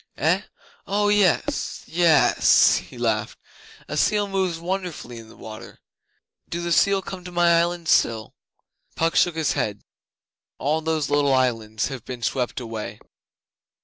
'Eh? Oh yes yess!' he laughed. 'A seal moves wonderfully in the waters. Do the seal come to my island still?' Puck shook his head. 'All those little islands have been swept away.